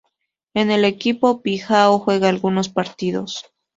En el equipo "Pijao" juega algunos partidos.